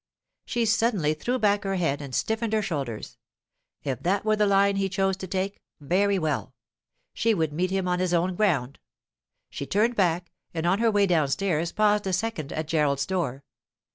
She suddenly threw back her head and stiffened her shoulders. If that were the line he chose to take—very well! She would meet him on his own ground. She turned back, and on her way downstairs paused a second at Gerald's door.